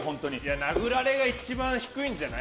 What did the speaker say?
殴られ屋が一番低いんじゃない？